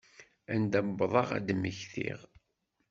Anda wwḍeɣ ad d-mmektiɣ.